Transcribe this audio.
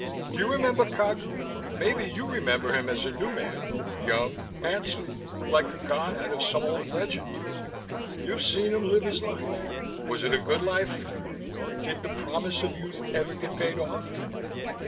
"Do you remember Cagu? Maybe you remember him as a newman, young, handsome, like a god out of some old legend. You've seen him live his life. Was it a good life? Did the promise of youth ever get paid off?"